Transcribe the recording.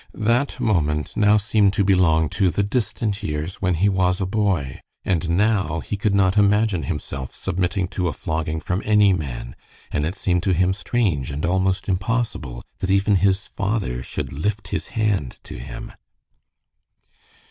That moment now seemed to belong to the distant years when he was a boy, and now he could not imagine himself submitting to a flogging from any man, and it seemed to him strange and almost impossible that even his father should lift his hand to him.